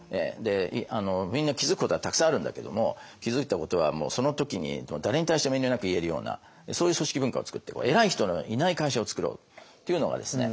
みんな気付くことはたくさんあるんだけども気付いたことはもうその時に誰に対しても遠慮なく言えるようなそういう組織文化をつくっていこう偉い人のいない会社をつくろう。っていうのがですね